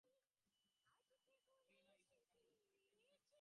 পশ্চাৎপদ হইও না, উহা কাপুরুষতার পরিচায়ক।